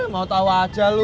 mau tau aja lo